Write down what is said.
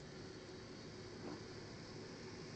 Byl jsem v Eurocontrolu.